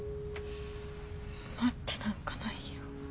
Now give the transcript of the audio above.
待ってなんかないよ。